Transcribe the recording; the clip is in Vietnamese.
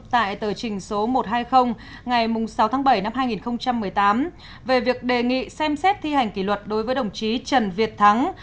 tại tờ trình số một trăm hai mươi ngày sáu tháng bảy năm hai nghìn một mươi tám về việc đề nghị xem xét thi hành kỷ luật đối với đồng chí trần việt thắng